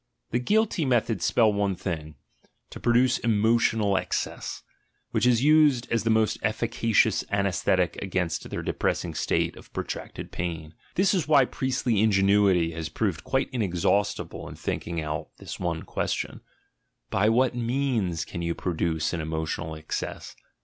The guilty methods spell one thing: to produce emotional excess — which is used as the most efficacious anaesthetic against their depressing state of protracted pain; this is why priestly ingenuity has proved quite inex haustible in thinking out this one question: "By what means can you produce an emotional excess?"